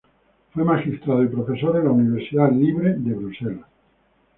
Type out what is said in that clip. Fue magistrado y profesor en la Universidad Libre de Bruselas.